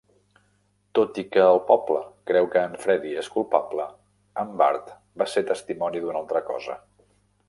Tot i que tot el poble creu que en Freddy és culpable, en Bart va ser testimoni d'una altra cosa.